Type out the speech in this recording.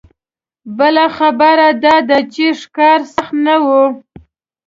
بله خبره دا ده چې ښکار سخت نه و.